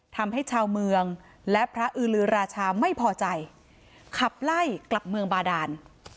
ทำให้ชาวเมืองและพระอือลือราชาไม่พอใจขับไล่กลับเมืองบาดาน